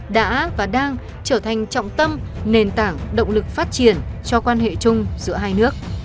đã và đang trở thành trọng tâm nền tảng động lực phát triển cho quan hệ chung giữa hai nước